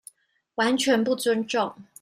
完全不尊重